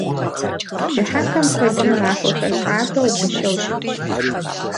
Бжьыхьэпэм куэдрэ махуэхэр хуабэу, гъущэу щытщ.